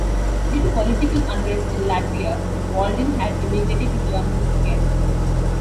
Due to the political unrest in Latvia, Walden had immigrated to Germany together.